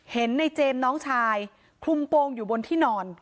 เห็นในเจมส์น้องชายคลุมโปรงอยู่บนที่นอน